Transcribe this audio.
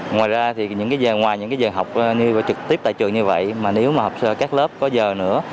ngoài ra thì ngoài những giờ học trực tiếp tại trường như vậy mà nếu mà các lớp có giờ nữa